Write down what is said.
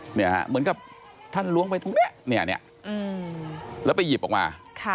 เหมือนกับท่านล้วงไปตรงนี้เนี่ยแล้วไปหยิบออกมา